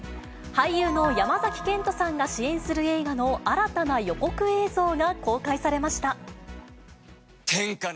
俳優の山崎賢人さんが主演する映画の新たな予告映像が公開されました。